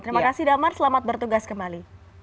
terima kasih damar selamat bertugas kembali